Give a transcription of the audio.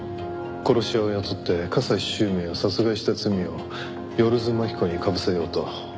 殺し屋を雇って加西周明を殺害した罪を万津蒔子にかぶせようと。